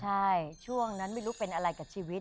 ใช่ช่วงนั้นไม่รู้เป็นอะไรกับชีวิต